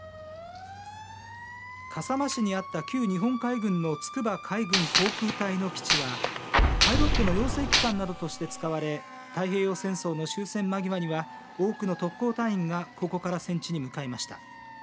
笠間市にあった旧日本海軍の筑波海軍航空隊の基地はパイロットの養成機関などとして使われ太平洋戦争の終戦間際には多くの特攻隊員がここから戦地に向かいました。